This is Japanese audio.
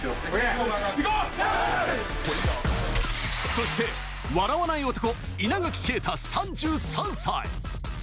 そして、笑わない男・稲垣啓太、３３歳。